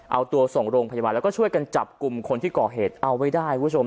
เอาตัวส่งโรงพยาบาลแล้วก็ช่วยกันจับกลุ่มคนที่ก่อเหตุเอาไว้ได้คุณผู้ชม